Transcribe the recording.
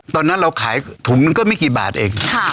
ตอนนั้นเราขายถุงนึงก็ไม่กี่บาทเอง